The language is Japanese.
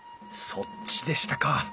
そっちでしたか。